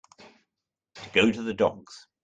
To go to the dogs.